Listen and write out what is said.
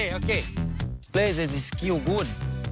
ทุกที่ภารกิจก็ดี